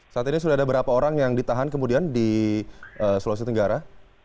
saat ini sudah ada berapa orang yang ditahan kemudian di sulawesi tenggara